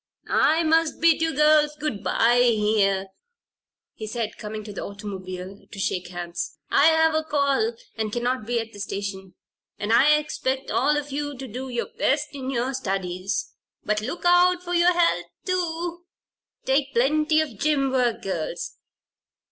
"I must bid you girls good bye here," he said, coming to the automobile to shake hands. "I have a call and cannot be at the station. And I expect all of you to do your best in your studies. But look out for your health, too. Take plenty of gym work, girls.